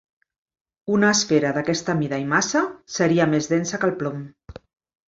Una esfera d'aquesta mida i massa seria més densa que el plom.